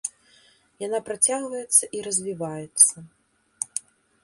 Яна працягваецца і развіваецца.